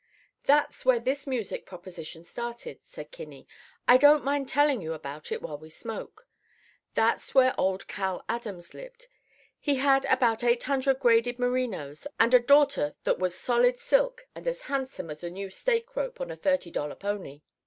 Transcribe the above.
"That's where this music proposition started," said Kinney. "I don't mind telling you about it while we smoke. That's where old Cal Adams lived. He had about eight hundred graded merinos and a daughter that was solid silk and as handsome as a new stake rope on a thirty dollar pony.